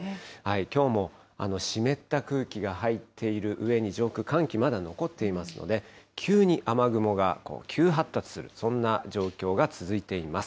きょうも湿った空気が入っているうえに、上空、寒気まだ残っていますので、急に雨雲が急発達する、そんな状況が続いています。